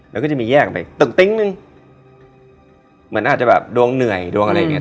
แล้วก็จะมีแยกไปตึกติ๊งนึงเหมือนอาจจะแบบดวงเหนื่อยดวงอะไรอย่างเง